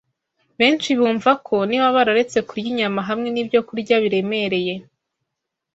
Benshi bumva ko niba bararetse kurya inyama hamwe n’ibyokurya biremereye,